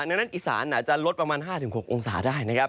ดังนั้นอีสานอาจจะลดประมาณ๕๖องศาได้นะครับ